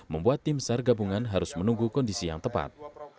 membuat tim sergabungan harus menunggu kondisi yang tepat